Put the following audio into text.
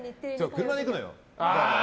車で行くのよ。